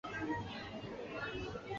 有脓皮症并发的情形会使用抗菌药。